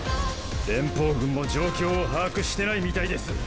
連邦軍も状況を把握してないみたいです。